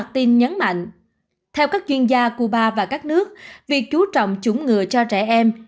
theo các chuyên gia cuba và các nước việc chú trọng chủng ngừa cho trẻ em